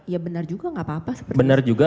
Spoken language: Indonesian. ya benar juga gak apa apa benar juga